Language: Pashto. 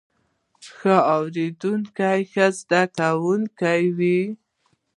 ښه اوریدونکی ښه زده کوونکی وي